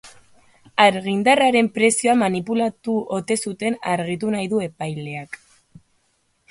Argindarraren prezioa manipulatu ote zuten argitu nahi du epaileak.